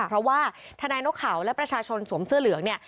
เพราะว่าทนายนกเขาและประชาชนสวมเสื้อเหลืองเนี่ย